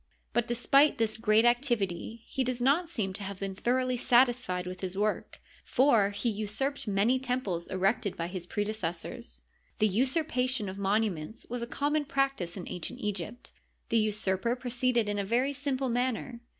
But, despite this great activity, he does not seem to have been thoroughly satisfied with his work, for he usurped many temples erected by his prede cessors. The usurpation of monuments was a common practice in ancient Egypt. The usurper proceeded in a very simple manner.